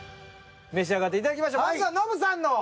召し上がっていただきましょう。